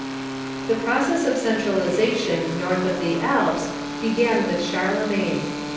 ] The process of centralization north of the Alps began with Charlemagne.